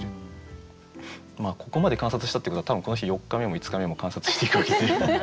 ここまで観察したってことは多分この人四日目も五日目も観察していくわけで。